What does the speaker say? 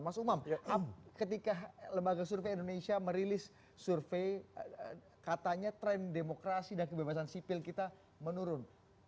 mas umam ketika lembaga survei indonesia merilis survei katanya tren demokrasi dan kebebasan sipil kita menurun